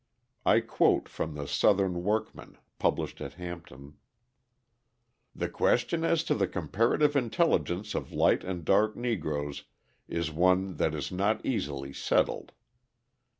I quote from the Southern Workman, published at Hampton: The question as to the comparative intelligence of light and dark Negroes is one that is not easily settled.